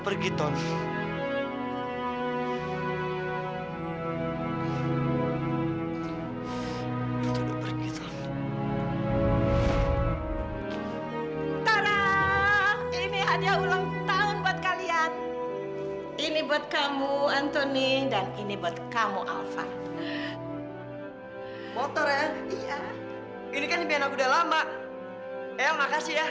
el makasih ya